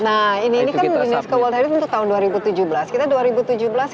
nah ini kan unesco world heritage untuk tahun dua ribu tujuh belas